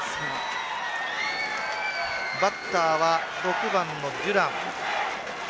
バッターは６番のデュラン。